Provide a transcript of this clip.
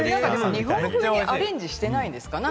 日本風にアレンジしてないんですか？